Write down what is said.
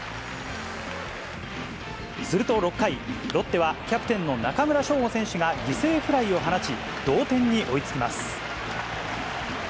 すると６回、ロッテはキャプテンの中村奨吾選手が犠牲フライを放ち、同点に追いつきます。